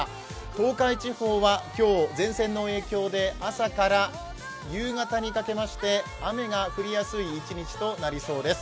東海地方は今日、前線の影響で朝から夕方にかけまして雨が降りやすい一日となりそうです。